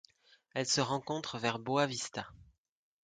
Elle se rencontre vers Boa Vista.